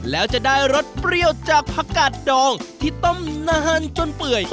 แล้วจะได้รสเปรี้ยวจากผักกาดดองที่ต้มนานจนเปื่อย